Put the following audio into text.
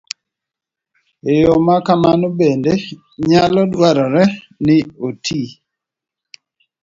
E yo ma kamano bende, nyalo dwarore ni oti